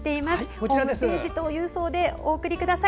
ホームページと郵送でお送りください。